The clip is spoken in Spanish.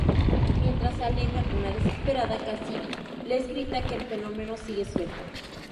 Mientras se alejan una desesperada Cassidy les grita que el fenómeno sigue suelto.